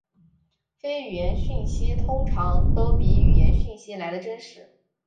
非语言讯息通常都比语言讯息来得真实。